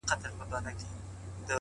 هره ورځ د ځان سمون فرصت لري،